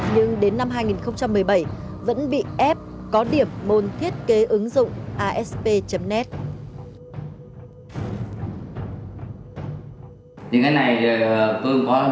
nhưng đến năm hai nghìn một mươi bảy vẫn bị ép có điểm môn thiết kế ứng dụng asp net